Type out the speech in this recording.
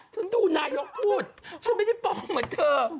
ฉันดูนายกพูดฉันไม่ได้ป้องเหมือนเธอ